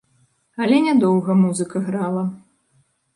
Але нядоўга музыка грала.